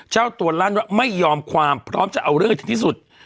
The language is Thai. เจ้าตัวลั้นไม่ยอมความพร้อมจะเอาเรื่องที่สุด